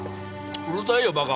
うるさいよバカ！